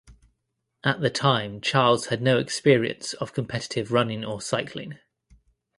At the time Charles had no experience of competitive running or cycling.